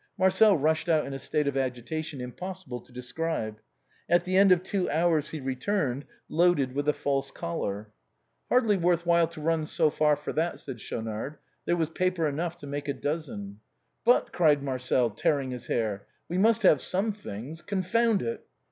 Marcel rushed out in a state of agitation impossible to describe. At the end of two hours he returned, loaded with a false collar. " Hardly worth while to run so far for that," said Schau nard. " There was paper enough here to make a dozen." " But," cried Marcel, tearing his hair, " we must have some things — confound it